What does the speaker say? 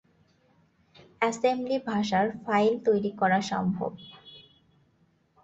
Assembly ভাষার file তৈরি করা সম্ভব।